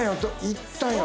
行ったよ！